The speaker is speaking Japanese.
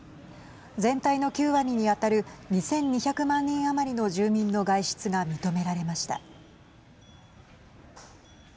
全体の９割に当たる２２００万人余りの住民の外出が認められました。